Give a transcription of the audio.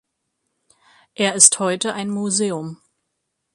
Er ist heute ein Museum.